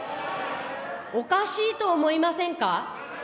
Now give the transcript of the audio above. おかしいと思いませんか。